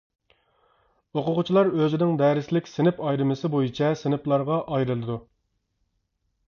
ئوقۇغۇچىلار ئۆزىنىڭ دەرسلىك، سىنىپ ئايرىمىسى بويىچە سىنىپلارغا ئايرىلىدۇ.